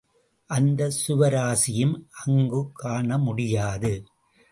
அந்த சுவாரசியம் அங்குக் காண முடியாது.